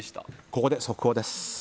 ここで速報です。